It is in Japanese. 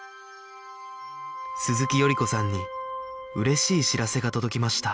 鈴木賀子さんに嬉しい知らせが届きました